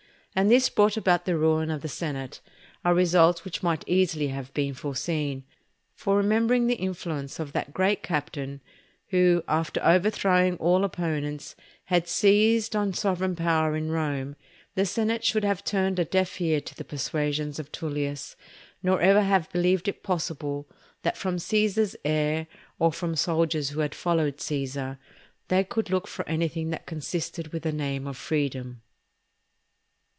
And this brought about the ruin of the senate, a result which might easily have been foreseen. For remembering the influence of that great captain, who, after overthrowing all opponents, had seized on sovereign power in Rome, the senate should have turned a deaf ear to the persuasions of Tullius, nor ever have believed it possible that from Cæsar's heir, or from soldiers who had followed Cæsar, they could look for anything that consisted with the name of Freedom.